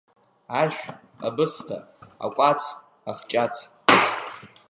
Ашә, абысҭа, акәац, ахҷаҭ…